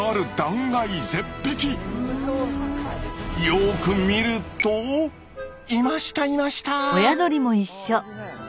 よく見るといましたいました。